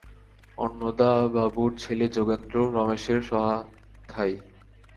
অন্নদাবাবুর ছেলে যোগেন্দ্র রমেশের সহাধ্যায়ী।